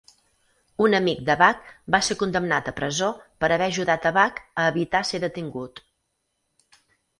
Un amic de Bach va ser condemnat a presó per haver ajudat Bach a evitar ser detingut.